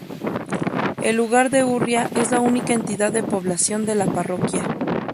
El lugar de Urria es la única entidad de población de la parroquia.